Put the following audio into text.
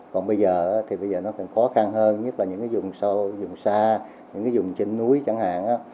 còn bây giờ thì nó khó khăn hơn nhất là những dùng sâu dùng xa dùng trên núi chẳng hạn